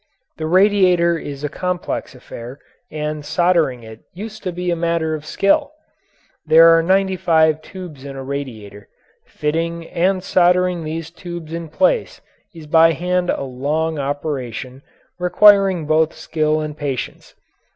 The radiator is a complex affair and soldering it used to be a matter of skill. There are ninety five tubes in a radiator. Fitting and soldering these tubes in place is by hand a long operation, requiring both skill and patience.